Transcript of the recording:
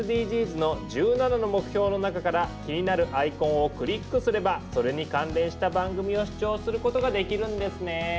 ＳＤＧｓの１７の目標の中から気になるアイコンをクリックすればそれに関連した番組を視聴することができるんですね。